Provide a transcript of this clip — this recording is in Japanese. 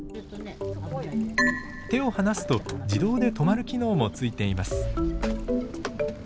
手を離すと自動で止まる機能もついています。